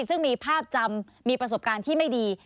ซึ่งมีภาพจำมีประสบการณ์ที่ไม่ดี